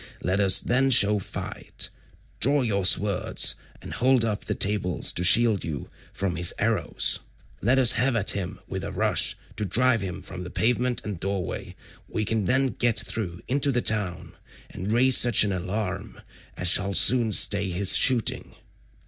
Let us then show fight; draw your swords, and hold up the tables to shield you from his arrows. Let us have at him with a rush, to drive him from the pavement and doorway: we can then get through into the town, and raise such an alarm as shall soon stay his shooting."